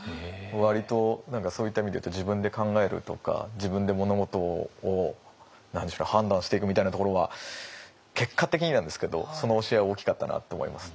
割とそういった意味で言うと自分で考えるとか自分で物事を判断していくみたいなところは結果的になんですけどその教えは大きかったなと思います。